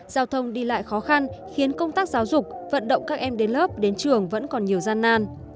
giao thông đi lại khó khăn khiến công tác giáo dục vận động các em đến lớp đến trường vẫn còn nhiều gian nan